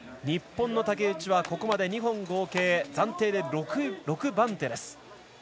日本の竹内はここまで２本合計暫定で６番手です。